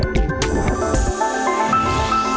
สวัสดีค่ะ